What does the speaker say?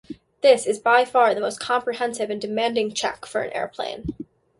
This is by far the most comprehensive and demanding check for an airplane.